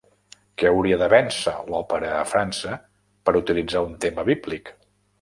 Què hauria de vèncer l'òpera a França per utilitzar un tema bíblic?